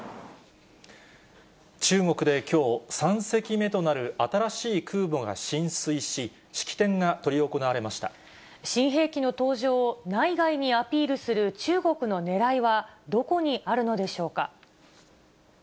中国できょう、３隻目となる新しい空母が進水し、新兵器の登場を内外にアピールする中国のねらいはどこにあるのでしょうか。